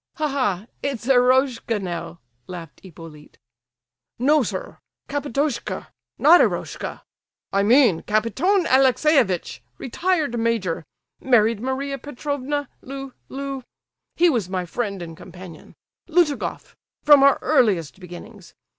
"Ha, ha! it's Eroshka now," laughed Hippolyte. "No, sir, Kapitoshka—not Eroshka. I mean, Kapiton Alexeyevitch—retired major—married Maria Petrovna Lu—Lu—he was my friend and companion—Lutugoff—from our earliest beginnings.